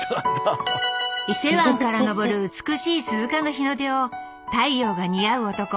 伊勢湾から昇る美しい鈴鹿の日の出を太陽が似合う男